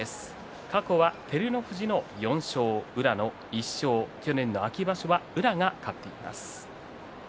過去は照ノ富士の４勝宇良の１勝去年の秋場所は宇良が勝っています。